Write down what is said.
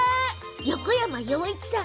横山洋一さん。